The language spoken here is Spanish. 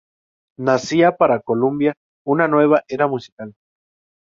Nacía para Colombia una nueva era musical.